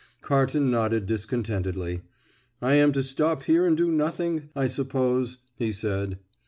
Carton nodded discontentedly. "I am to stop here and do nothing, I suppose," he said.